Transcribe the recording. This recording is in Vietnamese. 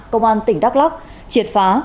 công an tỉnh đắk lắk triệt phá